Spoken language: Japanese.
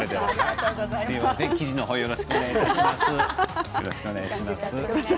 記事の方よろしくお願いいたします。